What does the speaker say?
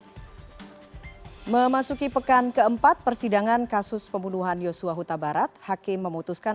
hai memasuki pekan keempat persidangan kasus pembunuhan yosua huta barat hakim memutuskan